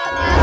eh eh eh aduh